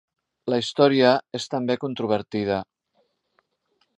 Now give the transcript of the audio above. La historia és també controvertida.